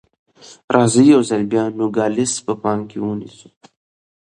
راځئ یو ځل بیا نوګالس په پام کې ونیسو.